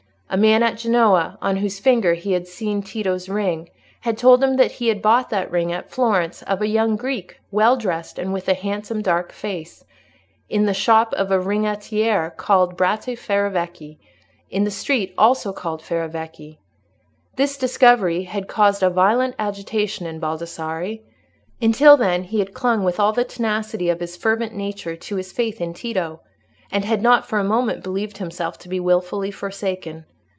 A man at Genoa, on whose finger he had seen Tito's ring, had told him that he bought that ring at Florence, of a young Greek, well dressed, and with a handsome dark face, in the shop of a rigattiere called Bratti Ferravecchi, in the street also called Ferravecchi. This discovery had caused a violent agitation in Baldassarre. Until then he had clung with all the tenacity of his fervent nature to his faith in Tito, and had not for a moment believed himself to be wilfully forsaken.